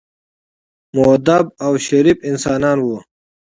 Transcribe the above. مودب او شریف انسانان وو.